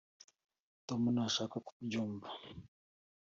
tom ntashaka kubyumva.